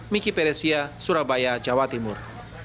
miki peresia surabaya jawa timur